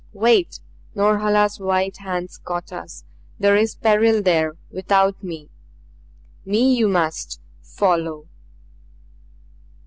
"Wait!" Norhala's white hands caught us. "There is peril there without me! Me you must follow!"